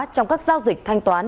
trong các giao dịch thanh toán